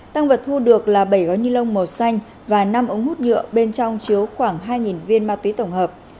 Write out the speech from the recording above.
tăng vật thu được là bảy gói ni lông màu xanh và năm ống hút nhựa bên trong chứa khoảng hai viên ma túy tổng hợp